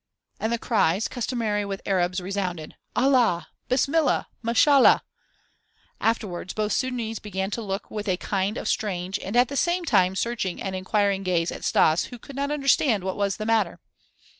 And the cries, customary with Arabs, resounded: "Allah!" "Bismillah!" "Mashallah!" Afterwards both Sudânese began to look with a kind of strange and, at the same time, searching and inquiring gaze at Stas who could not understand what was the matter.